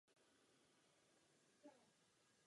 Zde je naznačena odpověď.